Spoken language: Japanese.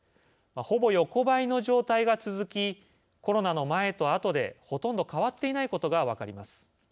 ほぼ横ばいの状態が続きコロナの前と後でほとんど変わっていないことが分かります。